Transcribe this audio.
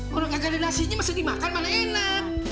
kalo gak ada nasinya masih dimakan mana enak